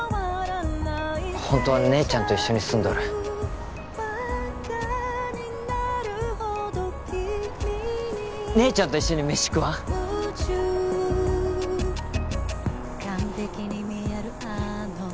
ホントは姉ちゃんと一緒に住んどる姉ちゃんと一緒に飯食わん？